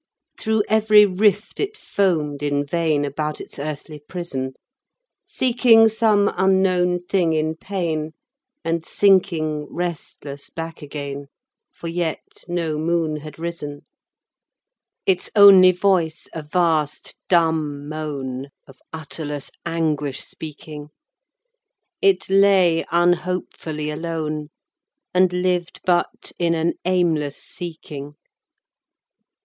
Through every rift it foamed in vain, About its earthly prison, Seeking some unknown thing in pain, And sinking restless back again, For yet no moon had risen: Its only voice a vast dumb moan, Of utterless anguish speaking, It lay unhopefully alone, And lived but in an aimless seeking.